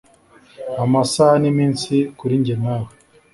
Amasaha niminsi kuri njye nawe